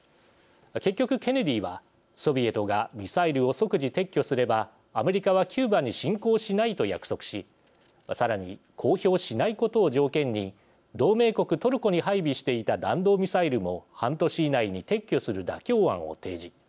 結局ケネディはソビエトがミサイルを即時撤去すればアメリカはキューバに侵攻しないと約束しさらに公表しないことを条件に同盟国トルコに配備していた弾道ミサイルも半年以内に撤去する妥協案を提示。